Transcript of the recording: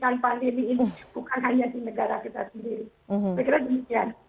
saya kira demikian